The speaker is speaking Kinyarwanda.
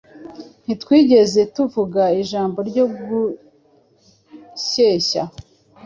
Ntitwigeze tuvuga ijambo ryo gushyeshya,